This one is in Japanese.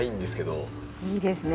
いいですね。